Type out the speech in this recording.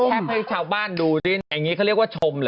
ให้ชาวบ้านดูสิอย่างนี้เขาเรียกว่าชมเหรอ